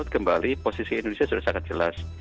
kembali posisi indonesia sudah sangat jelas